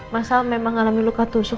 mas al memang ngalamin luka tusuk